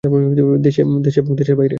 দেশে এবং দেশের বাহিরে!